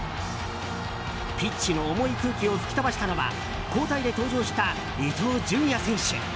ピッチの重い空気を吹き飛ばしたのは交代で登場した伊東純也選手。